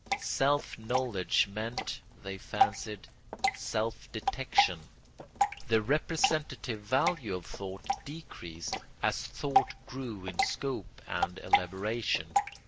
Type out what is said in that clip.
Self knowledge meant, they fancied, self detection; the representative value of thought decreased as thought grew in scope and elaboration.